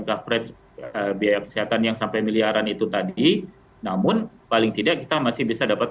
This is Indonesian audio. coverage biaya kesehatan yang sampai miliaran itu tadi namun paling tidak kita masih bisa dapat